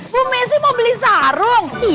bu messi mau beli sarung